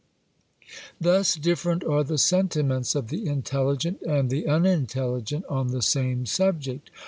Thus different are the sentiments of the intelligent and the unintelligent on the same subject.